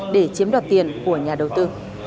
để chiếm đoạt tiền của nhà đầu tư